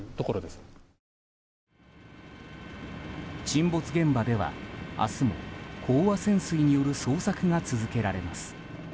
沈没現場では明日も飽和潜水による捜索が続けられます。